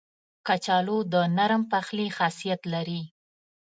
کچالو د نرم پخلي خاصیت لري